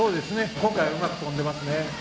今回はうまく飛んでますね。